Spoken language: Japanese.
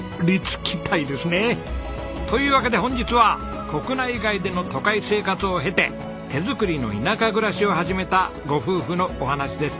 というわけで本日は国内外での都会生活を経て手作りの田舎暮らしを始めたご夫婦のお話です。